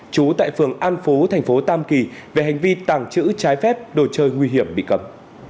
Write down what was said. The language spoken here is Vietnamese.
trú tại phường an phú thành phố tam kỳ về hành vi tàng trữ trái phép đồ chơi nguy hiểm bị cầm